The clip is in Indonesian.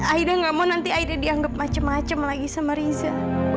aida gak mau nanti aida dianggap macem macem lagi sama riza